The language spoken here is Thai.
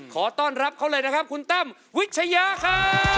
ขอต้อนรับเขาเลยนะครับคุณตั้มวิชยาครับ